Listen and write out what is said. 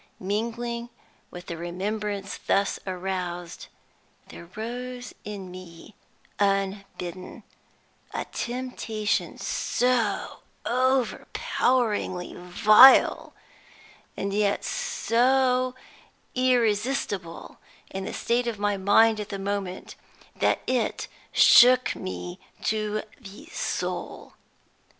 Mingling with the remembrance thus aroused, there rose in me unbidden, a temptation so overpoweringly vile, and yet so irresistible in the state of my mind at the moment, that it shook me to the soul.